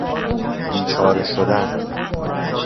بیچاره شدن